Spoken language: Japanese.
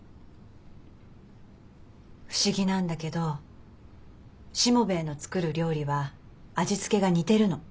不思議なんだけどしもべえの作る料理は味付けが似てるの。